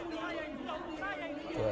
tidak boleh tidak boleh